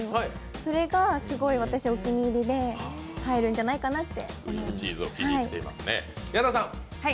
それがすごく私はお気に入りで、入るんじゃないかなって。